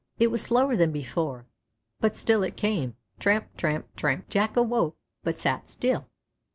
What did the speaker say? It was slower than before, but still it came "tramp, tramp, tramp." Jack awoke, but sat still.